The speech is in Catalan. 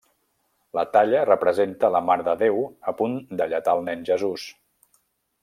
La talla representa la Mare de Déu a punt d'alletar el Nen Jesús.